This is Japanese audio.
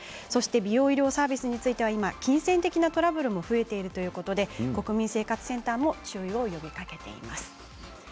美容医療サービスについては金銭的なトラブルも増えているということで国民生活センターも注意を呼びかけています。